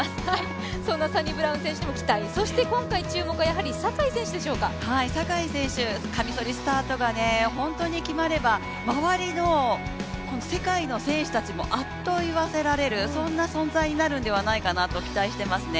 そんなサニブラウン選手にも期待、そして今回注目なのは坂井選手、カミソリスタートが本当に決まれば周りの世界の選手たちもあっと言わせられる、そんな存在になるんではないかと期待していますね。